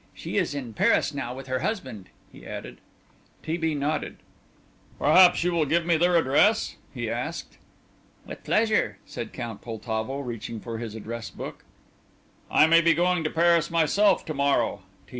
She is in Paris now with her husband," he added. T. B. nodded. "Perhaps you will give me their address?" he asked. "With pleasure," said Count Poltavo, reaching for his address book. "I may be going to Paris myself to morrow," T.